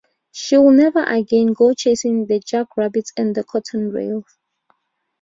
She would never again go chasing the jackrabbits and the cottontails.